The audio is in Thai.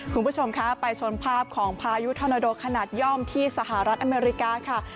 คุณผู้ชมคะไปชมภาพของพายุธอนาโดขนาดย่อมที่สหรัฐอเมริกาค่ะ